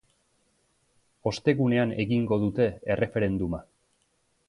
Ostegunean egingo dute erreferenduma.